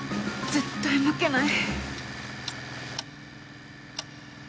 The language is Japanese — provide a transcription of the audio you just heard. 絶対負けない。